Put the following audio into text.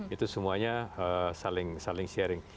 itu semuanya saling sharing